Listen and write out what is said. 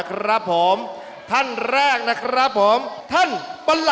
การแนะนำการกันก่อน